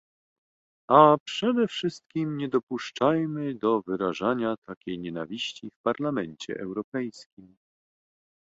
A przede wszystkim nie dopuszczajmy do wyrażania takiej nienawiści w Parlamencie Europejskim!